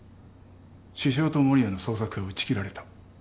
獅子雄と守谷の捜索が打ち切られた。